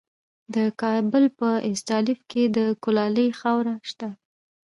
د کابل په استالف کې د کلالي خاوره شته.